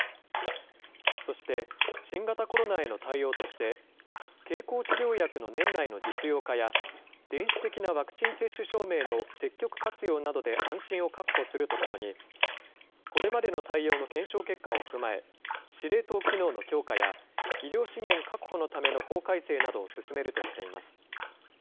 そして、新型コロナへの対応として、経口治療薬の年内の実用化や、電子的なワクチン接種証明の積極活用などで安心を確保するとともに、これまでの対応の検証結果を踏まえ、司令塔機能の強化や、医療資源確保のための法改正などを進めるとしています。